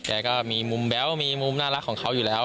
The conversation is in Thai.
ก็มีมุมแบ๊วมีมุมน่ารักของเขาอยู่แล้ว